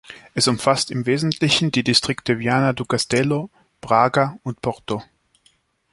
Es umfasst im Wesentlichen die Distrikte Viana do Castelo, Braga und Porto.